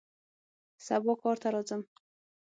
سبا کار ته راځم